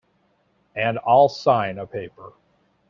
And I'll sign a paper.